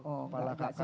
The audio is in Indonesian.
oh enggak enggak